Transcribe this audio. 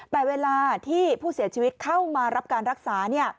แต่เวลาที่ผู้เสียชีวิตเข้ามารับการรักษา